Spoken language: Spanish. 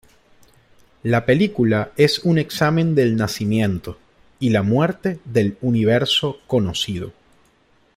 La película es un examen del nacimiento y la muerte del universo conocido.